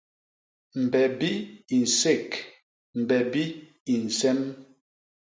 Mbebi i nsék, mbebi i nsem.